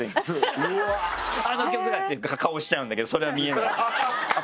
あの曲だ！っていう顔をしちゃうんだけどそれは見えないように。